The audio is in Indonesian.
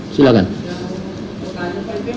ternyata kan kenapa ibunya